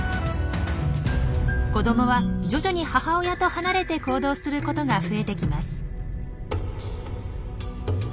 子どもは徐々に母親と離れて行動することが増えてきます。